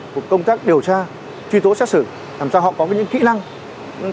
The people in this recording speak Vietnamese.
của công tác điều tra truy tố xét xử làm sao họ có những kỹ năng